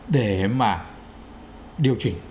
để mà điều chỉnh